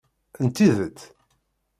N tidet?